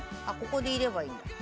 あっここにいればいい。